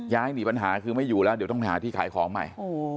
ย้ายหนีปัญหาคือไม่อยู่แล้วเดี๋ยวต้องไปหาที่ขายของใหม่